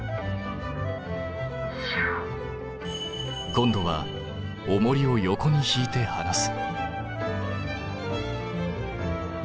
今度はおもりを横にひいてはなす。